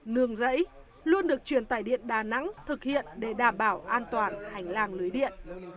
nương rẫy luôn được truyền tải điện đà nẵng thực hiện để đảm bảo an toàn hành lang lưới điện